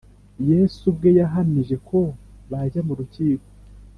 Yesu ubwe yahamije ko bajya murukiko